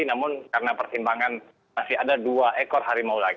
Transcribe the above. namun karena pertimbangan masih ada dua ekor harimau lagi